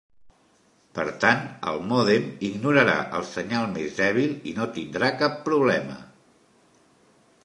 Per tant, el mòdem ignorarà el senyal més dèbil i no tindrà cap problema.